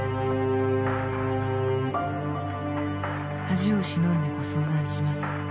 「恥を忍んでご相談します」